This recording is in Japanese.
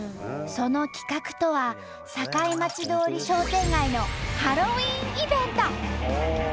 その企画とは堺町通り商店街のハロウィーンイベント！